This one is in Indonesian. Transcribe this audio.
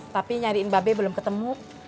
tapi nyariin mba be belum ketemu